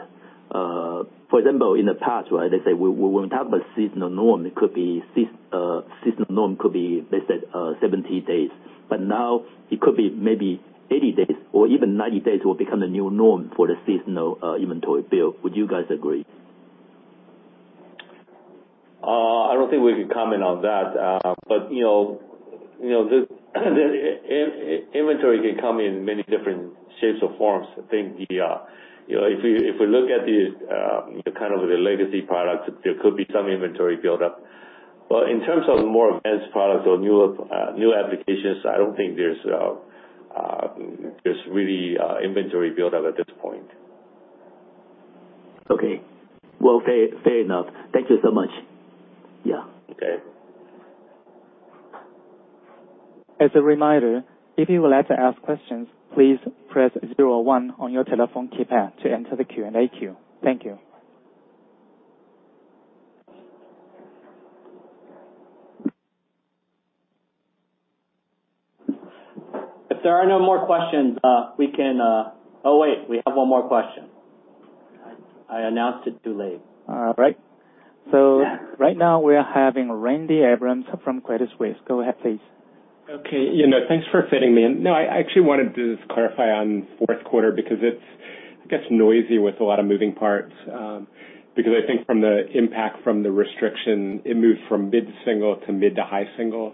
For example, in the past, right, they say when we talk about seasonal norm, it could be seasonal norm, they said, 70 days. But now, it could be maybe 80 days or even 90 days will become the new norm for the seasonal inventory buildup. Would you guys agree? I don't think we can comment on that. But inventory can come in many different shapes or forms. I think if we look at kind of the legacy products, there could be some inventory buildup. But in terms of more advanced products or new applications, I don't think there's really inventory buildup at this point. Okay. Well, fair enough. Thank you so much. Yeah. Okay. As a reminder, if you would like to ask questions, please press zero or one on your telephone keypad to enter the Q&A queue. Thank you. If there are no more questions, we can, oh, wait. We have one more question. I announced it too late. All right. So right now, we are having Randy Abrams from Credit Suisse. Go ahead, please. Okay. Thanks for fitting me. And no, I actually wanted to just clarify on fourth quarter because it's, I guess, noisy with a lot of moving parts. Because I think from the impact from the restriction, it moved from mid-single to mid- to high-single.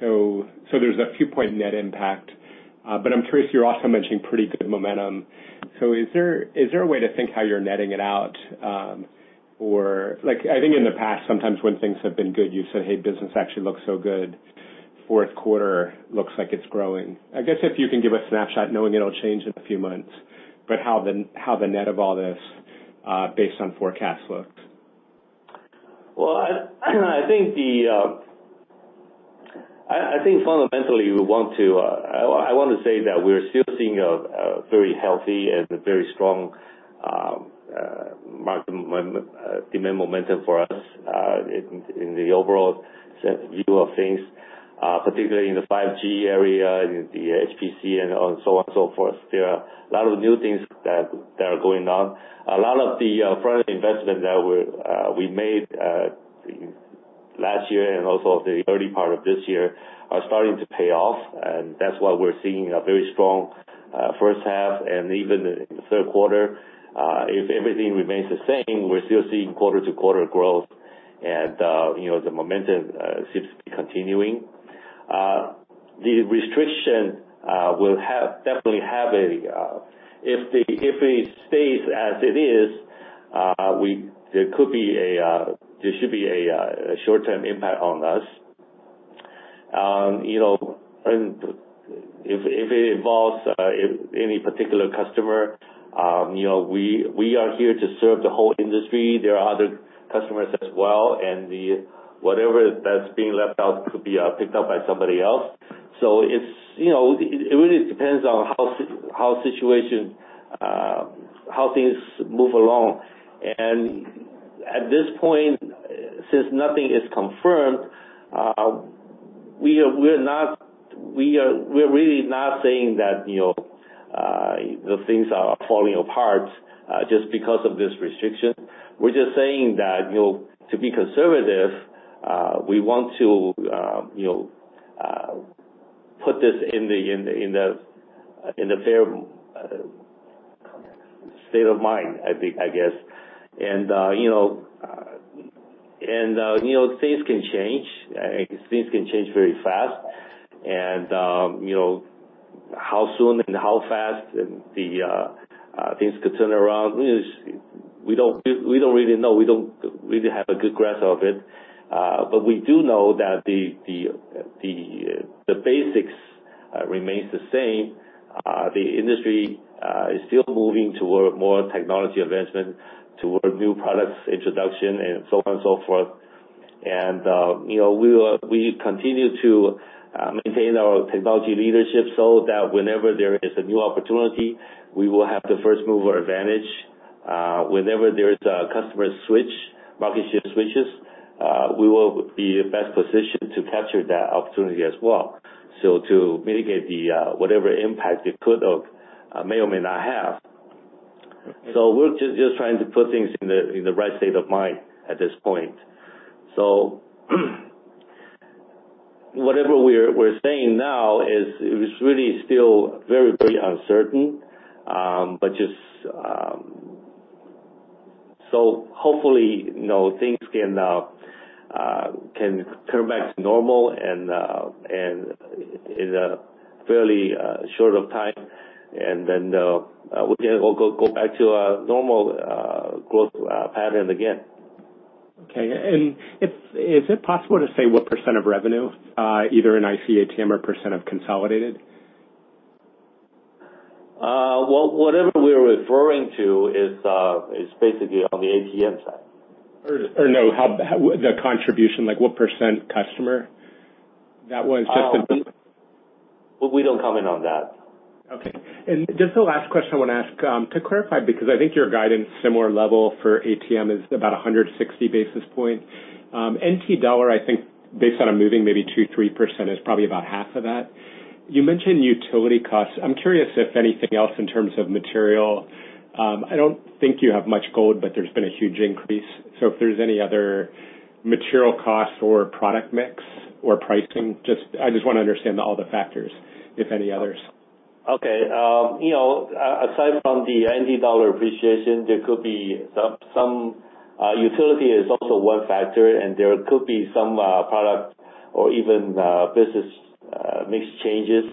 So there's a few-point net impact. But I'm curious, you're also mentioning pretty good momentum. So is there a way to think how you're netting it out? I think in the past, sometimes when things have been good, you've said, "Hey, business actually looks so good. Fourth quarter looks like it's growing." I guess if you can give a snapshot, knowing it'll change in a few months, but how the net of all this based on forecasts looks? Well, I think fundamentally, I want to say that we're still seeing a very healthy and very strong demand momentum for us in the overall view of things, particularly in the 5G area, the HPC, and so on and so forth. There are a lot of new things that are going on. A lot of the front-end investment that we made last year and also the early part of this year are starting to pay off. And that's why we're seeing a very strong first half and even in the third quarter. If everything remains the same, we're still seeing quarter-to-quarter growth, and the momentum seems to be continuing. The restriction will definitely have an impact if it stays as it is. There should be a short-term impact on us. If it involves any particular customer, we are here to serve the whole industry. There are other customers as well. Whatever that's being left out could be picked up by somebody else. It really depends on how things move along. At this point, since nothing is confirmed, we're really not saying that the things are falling apart just because of this restriction. We're just saying that to be conservative, we want to put this in the fair state of mind, I guess. Things can change. Things can change very fast. How soon and how fast things could turn around, we don't really know. We don't really have a good grasp of it. We do know that the basics remain the same. The industry is still moving toward more technology advancement, toward new products introduction, and so on and so forth. We continue to maintain our technology leadership so that whenever there is a new opportunity, we will have the first mover advantage. Whenever there's a customer switch, market share switches, we will be best positioned to capture that opportunity as well to mitigate whatever impact it could or may or may not have. So we're just trying to put things in the right state of mind at this point. So whatever we're saying now is it's really still very, very uncertain. So hopefully, things can turn back to normal in a fairly short of time, and then we can go back to a normal growth pattern again. Okay. And is it possible to say what % of revenue, either in IC ATM or % of consolidated? Well, whatever we're referring to is basically on the ATM side. Or no, the contribution, what percent customer? That was just an. We don't comment on that. Okay. Just the last question I want to ask. To clarify, because I think your guidance, similar level for ATM is about 160 basis points. NT dollar, I think based on a moving maybe 2%-3%, is probably about half of that. You mentioned utility costs. I'm curious if anything else in terms of material. I don't think you have much gold, but there's been a huge increase. So if there's any other material costs or product mix or pricing, I just want to understand all the factors, if any others. Okay. Aside from the NT dollar appreciation, there could be some utilization is also one factor, and there could be some product or even business mix changes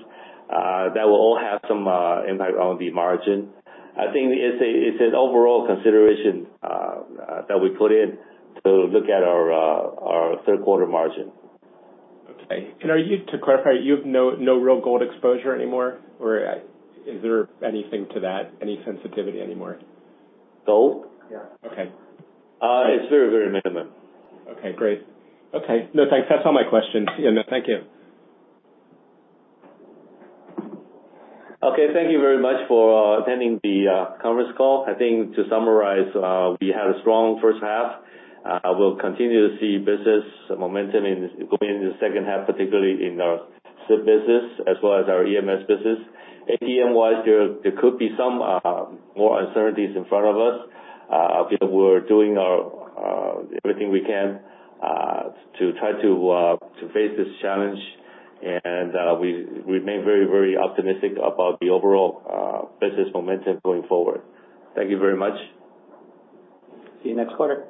that will all have some impact on the margin. I think it's an overall consideration that we put in to look at our third-quarter margin. Okay. And to clarify, you have no real gold exposure anymore, or is there anything to that, any sensitivity anymore? Gold? Yeah. It's very, very minimum. Okay. Great. Okay. No, thanks. That's all my questions. Thank you. Okay. Thank you very much for attending the conference call. I think to summarize, we had a strong first half. We'll continue to see business momentum going into the second half, particularly in our SiP business as well as our EMS business. ATM-wise, there could be some more uncertainties in front of us. We're doing everything we can to try to face this challenge. And we remain very, very optimistic about the overall business momentum going forward. Thank you very much. See you next quarter.